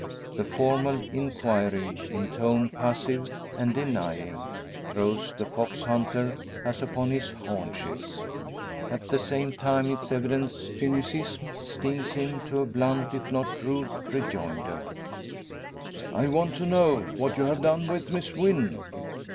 The formal inquiry, in tone passive and denying, throws the fox hunter as upon his haunches. At the same time its evident cynicism stings him to a blunt if not rude rejoinder. "I want to know what you have done with Miss Wynn."